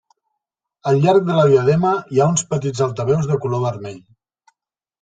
Al llarg de la diadema hi ha uns petits altaveus de color vermell.